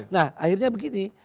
nah akhirnya begini